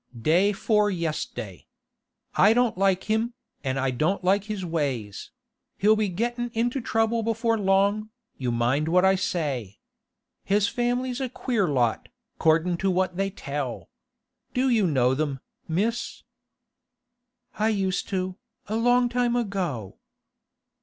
'Day 'fore yes'day. I don't like him, an' I don't like his ways; he'll be gettin' into trouble before long, you mind what I say. His family's a queer lot, 'cordin' to what they tell. Do you know them, Miss?' 'I used to, a long time ago.